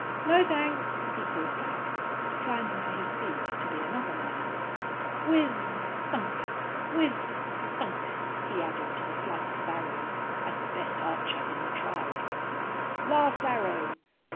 "No, thanks," he called back, climbing to his feet to be another man. "Wizzthunk, wizzthunk," he added to the flights of arrows as the best archer in the tribe. "Last arrow.